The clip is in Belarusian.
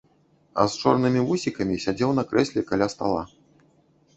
А з чорнымі вусікамі сядзеў на крэсле каля стала.